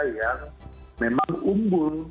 yang memang unggul